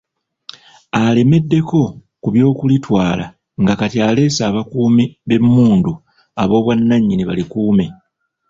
Alemeddeko ku by'okulitwala nga kati aleese abakuumi b'emmundu ab'obwannannyini balikuume.